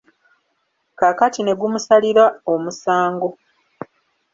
Kaakati ne gumusalira omusango.